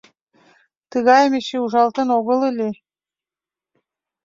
Тыгайым эше ужалтын огыл ыле...